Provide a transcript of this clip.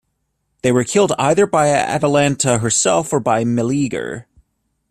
They were killed either by Atalanta herself or by Meleager.